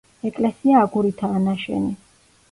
ეკლესია აგურითაა ნაშენი.